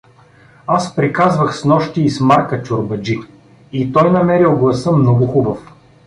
Аз приказвах снощи и с Марка чорбаджи, и той намерил гласа много хубав.